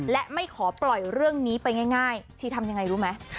และไม่ขอปล่อยเรื่องนี้ไปง่ายชีทำยังไงรู้ไหม